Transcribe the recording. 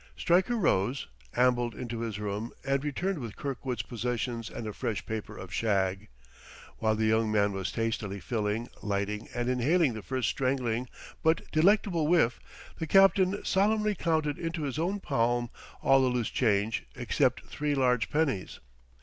Stryker rose, ambled into his room, and returned with Kirkwood's possessions and a fresh paper of shag. While the young man was hastily filling, lighting, and inhaling the first strangling but delectable whiff, the captain solemnly counted into his own palm all the loose change except three large pennies.